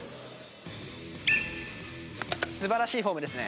素晴らしいフォームですね。